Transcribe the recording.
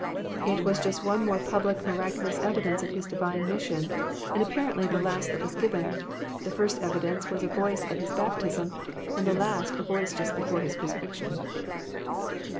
'* It was Just one more public miraculous evidence of His Divine mission, and apparently the last that was given. The first evidence was a voice at His baptism, and the last a voice Just before His crucifixion.